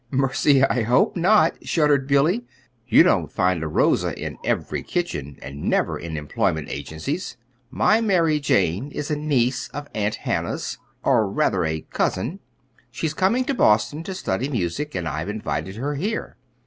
"Mercy! I hope not," shuddered Billy. "You don't find a Rosa in every kitchen and never in employment agencies! My Mary Jane is a niece of Aunt Hannah's, or rather, a cousin. She's coming to Boston to study music, and I've invited her here.